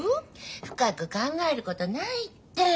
深く考えることないって。